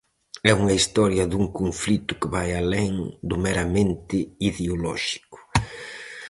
É unha historia dun conflito que vai alén do meramente ideolóxico.